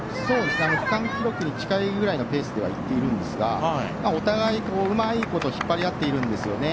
区間記録に近いくらいのペースで行っているんですがお互いにうまいこと引っ張り合っているんですよね。